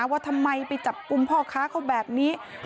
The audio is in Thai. ว่าทำไมไปจับกลุ่มพ่อค้าเขาแบบนี้